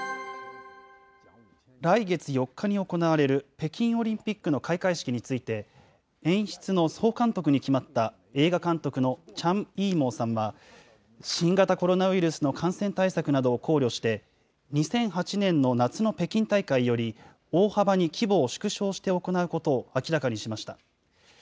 来月４日に行われる北京オリンピックの開会式について、演出の総監督に決まった映画監督のチャン・イーモウさんは、新型コロナウイルスの感染対策などを考慮して、２００８年の夏の北京大会より大幅に規模を縮小して行うことを明らかにしました。